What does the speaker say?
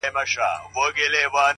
ورځي د وريځي يارانه مــاتـه كـړه،